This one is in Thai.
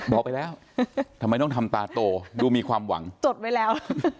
บอกไปแล้วทำไมต้องทำตาโตดูมีความหวังจดไว้แล้ว